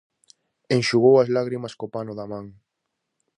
Enxugou as lágrimas co pano da man.